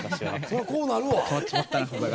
そりゃこうなるわ。